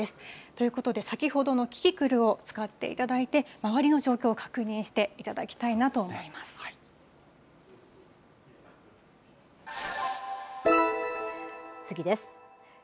ということで、先ほどのキキクルを使っていただいて、周りの状況を確認していた次です。